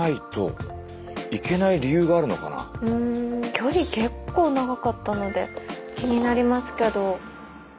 距離結構長かったので気になりますけど。